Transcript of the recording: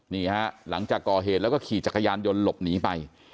นี่ฮะหลังจากก่อเหตุแล้วก็ขี่จักรยานยนต์หลบหนีไป